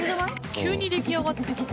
急に出来上がってきた。